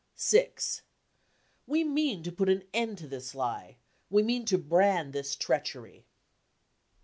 6. We mean to put an end to this lie, we mean to brand this treachery.